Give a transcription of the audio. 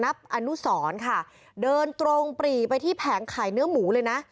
อนุสรค่ะเดินตรงปรีไปที่แผงขายเนื้อหมูเลยนะ